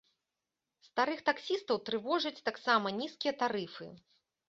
Старых таксістаў трывожаць таксама нізкія тарыфы.